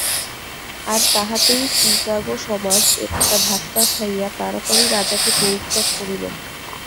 আর তাহাতেই চিকাগো সমাজ একটা ধাক্কা খাইয়া তাড়াতাড়ি রাজাকে পরিত্যাগ করিল।